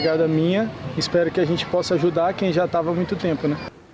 kami berharap bisa membantu orang yang sudah lama